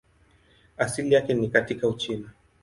Asili yake ni katika Uchina.